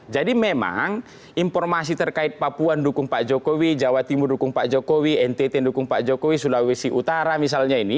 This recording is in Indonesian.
jadi memang informasi terkait papuan dukung pak jokowi jawa timur dukung pak jokowi ntt dukung pak jokowi sulawesi utara misalnya ini